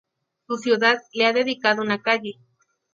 Su ciudad le ha dedicado una calle.